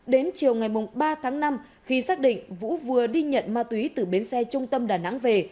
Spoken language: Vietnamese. đến chiều ngày ba tháng năm khi xác định vũ vừa đi nhận ma túy từ bến xe trung tâm đà nẵng về